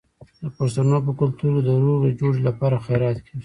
د پښتنو په کلتور کې د روغې جوړې لپاره خیرات کیږي.